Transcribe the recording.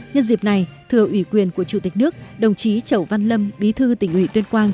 nhân dịp này thưa ủy quyền của chủ tịch nước đồng chí chẩu văn lâm bí thư tỉnh ủy tuyên quang